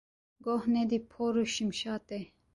Goh nedî por û şimşatê.